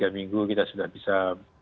tiga minggu kita sudah bisa